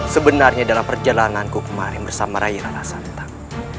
sebenarnya dalam perjalananku kemari bersama raya rana santang